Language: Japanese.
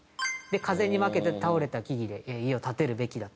「風に負けて倒れた木々で家を建てるべきだ」と。